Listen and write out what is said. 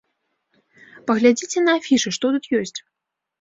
Паглядзіце на афішы, што тут ёсць?